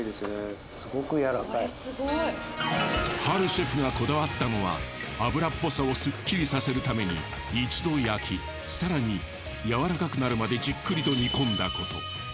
ハルシェフがこだわったのは脂っぽさをすっきりさせるために一度焼き更にやわらかくなるまでじっくりと煮込んだこと。